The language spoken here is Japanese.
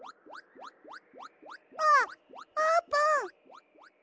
あっあーぷん！